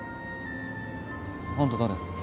あんた誰？